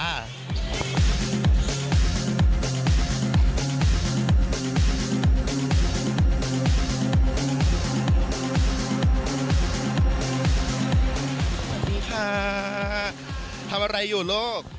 สวัสดีค่ะทำอะไรอยู่ลูก